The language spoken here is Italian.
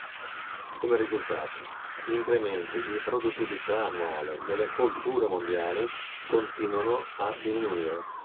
Come risultato, gli incrementi di produttività annuale delle colture mondiali continuano a diminuire.